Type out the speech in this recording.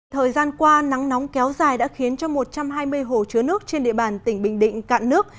thời gian qua nắng nóng kéo dài đã khiến cho một trăm hai mươi hồ chứa nước trên địa bàn tỉnh bình định cạn nước